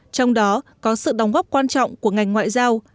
trong đó có sự đóng góp quan trọng của ngành ngoại giao